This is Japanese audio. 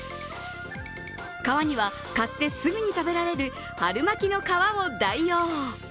皮には買ってすぐに食べられる春巻きの皮を代用。